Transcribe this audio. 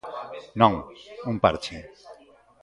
Non, un parche.